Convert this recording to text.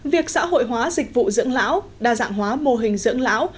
việc xã hội hóa dịch vụ dưỡng lão đa dạng hóa mô hình dưỡng lão